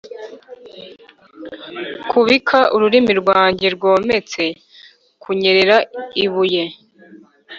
kubika ururimi rwanjye rwometse, kunyerera ibuye,